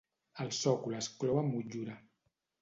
El sòcol es clou amb motllura.